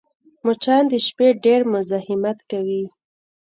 مچان د شپې ډېر مزاحمت کوي